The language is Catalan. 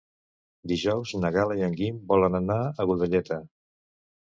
Dijous na Gal·la i en Guim volen anar a Godelleta.